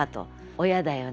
親だよね。